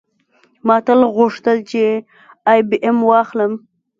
ما تل غوښتل چې آی بي ایم واخلم